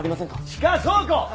地下倉庫！